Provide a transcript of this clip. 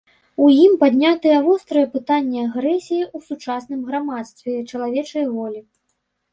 У ім паднятыя вострыя пытанні агрэсіі ў сучасным грамадстве, чалавечай волі.